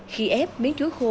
khi ép miếng chuối khô